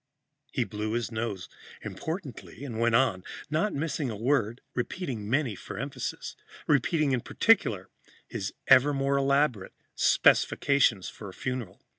He blew his nose importantly and went on, not missing a word, and repeating many for emphasis repeating in particular his ever more elaborate specifications for a funeral.